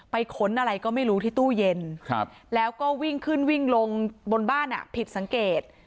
ค้นอะไรก็ไม่รู้ที่ตู้เย็นแล้วก็วิ่งขึ้นวิ่งลงบนบ้านผิดสังเกต